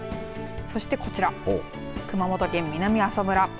そしてこちら熊本県南阿蘇村。